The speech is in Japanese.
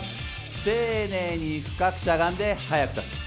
丁寧に深くしゃがんで速く立つ。